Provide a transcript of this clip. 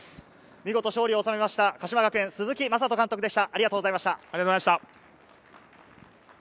見事、勝利を収めました鹿島学園・鈴木雅人監督でした。